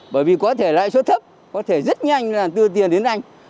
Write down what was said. bởi vì có thể lãi suất thấp có thể rất nhanh là đưa tiền đến anh